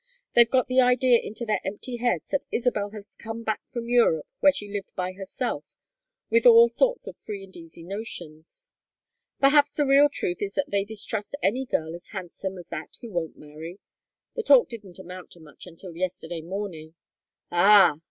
They've got the idea into their empty heads that Isabel has come back from Europe, where she lived by herself, with all sorts of free and easy notions. Perhaps the real truth is that they distrust any girl as handsome as that who won't marry. The talk didn't amount to much until yesterday morning " "Ah!"